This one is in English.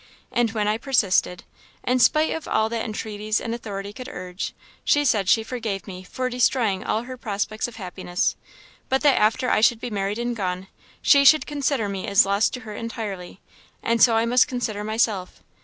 And when I persisted, in spite of all that entreaties and authority could urge, she said she forgave me for destroying all her prospects of happiness, but that after I should be married and gone, she should consider me as lost to her entirely, and so I must consider myself.